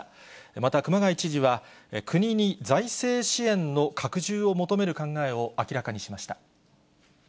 また、熊谷知事は、国に財政支援の拡充を求める考えを明らかにしました。